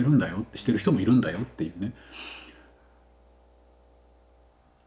してる人もいるんだよ」っていうね。